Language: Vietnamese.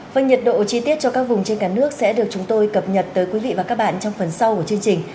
vâng nhiệt độ chi tiết cho các vùng trên cả nước sẽ được chúng tôi cập nhật tới quý vị và các bạn trong phần sau của chương trình